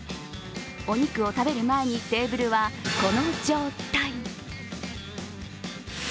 お肉を食べる前にテーブルはこの状態。